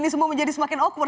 semua menjadi semakin awkward